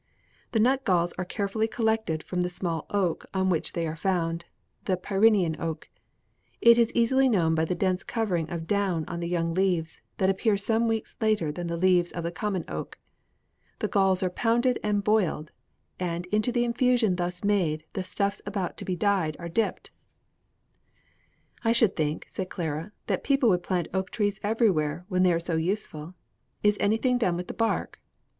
The nut galls are carefully collected from the small oak on which they are found, the Pyreneean oak. It is easily known by the dense covering of down on the young leaves, that appear some weeks later than the leaves of the common oak. The galls are pounded and boiled, and into the infusion thus made the stuffs about to be dyed are dipped,'" "I should think," said Clara, "that people would plant oak trees everywhere, when they are so useful. Is anything done with the bark?"